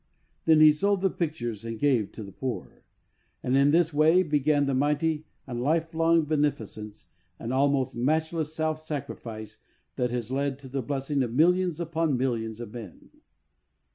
Then he sold the pictures and gave to the poor. And in this way began that mighty and life long beneficence and almost matchless self sacrifice that has led to the blessing of millions upon millions of men.